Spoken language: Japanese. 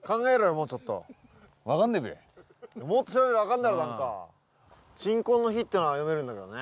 もっと調べりゃ分かんだろ何か鎮魂の碑ってのは読めるんだけどね